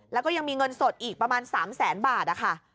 แล้วก็ยังมีเงินสดอีกประมาณ๓แสนบาทนะคะ